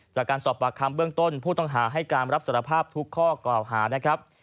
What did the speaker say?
จากการสอบปากคำเบื้องต้นผู้ต้องหาให้การรับสารภาพทุกข้อกล่าวหานะครับ